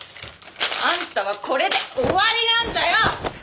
あんたはこれで終わりなんだよ！